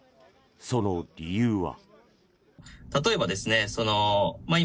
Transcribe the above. その理由は。